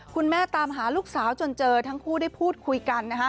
คุณแม่ตามหาลูกสาวจนเจอทั้งคู่ได้พูดคุยกัน